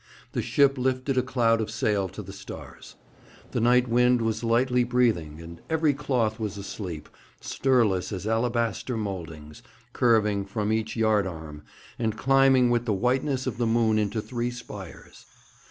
The ship lifted a cloud of sail to the stars. The night wind was lightly breathing, and every cloth was asleep, stirless as alabaster mouldings, curving from each yard arm, and climbing with the whiteness of the moon into three spires.